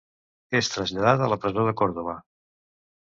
És traslladat a la presó de Còrdova.